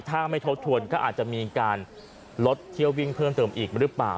ถ้าไม่ทบทวนก็อาจจะมีการลดเที่ยววิ่งเพิ่มเติมอีกหรือเปล่า